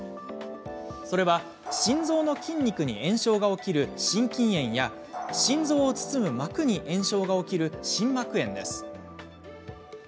それは、心臓の筋肉に炎症が起きる心筋炎や心臓を包む膜に炎症が起きる心膜炎です。